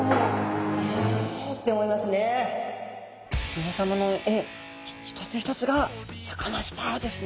皆さまの絵一つ一つがサカナスターですね。